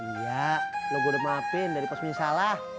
iya lo udah gue maafin dari pas punya salah